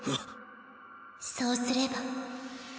そうすれば。